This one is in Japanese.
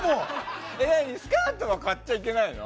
スカートは買っちゃいけないの？